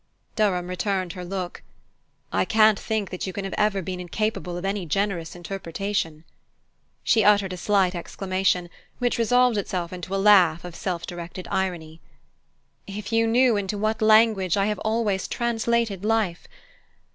Durham returned her look. "I can't think that you can ever have been incapable of any generous interpretation." She uttered a slight exclamation, which resolved itself into a laugh of self directed irony. "If you knew into what language I have always translated life!